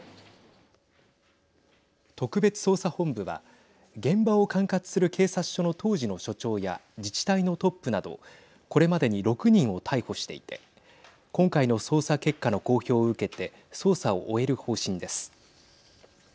特別捜査本部は現場を管轄する警察署の当時の署長や自治体のトップなどこれまでに６人を逮捕していて今回の捜査結果の公表を受けて捜査を終える方針です。